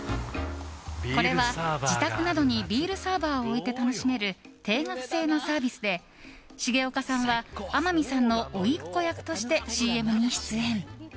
これは、自宅などにビールサーバーを置いて楽しめる定額制のサービスで重岡さんは、天海さんのおいっ子役としてＣＭに出演。